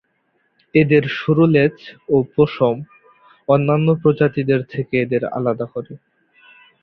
এদের সরু লেজ ও পশম অন্যান্য প্রজাতিদের থেকে এদের আলাদা করে।